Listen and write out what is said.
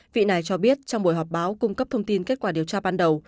vị này cho biết trong buổi họp báo cung cấp thông tin kết quả điều tra ban đầu